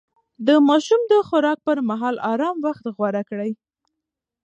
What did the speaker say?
د ماشوم د خوراک پر مهال ارام وخت غوره کړئ.